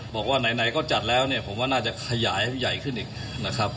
บอกว่าไหนก็จัดแล้วเนี่ยผมว่าน่าจะขยายให้ใหญ่ขึ้นอีกนะครับ